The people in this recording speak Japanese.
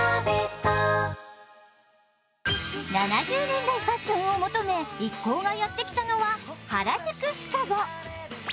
７０年代ファッションを求め一行がやってきたのは、原宿シカゴ。